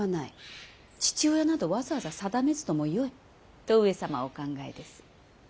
父親などわざわざ定めずともよいと上様はお考えです。